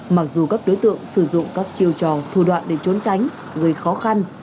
mặc dù các đối tượng sử dụng các chiêu trò thủ đoạn để trốn tránh gây khó khăn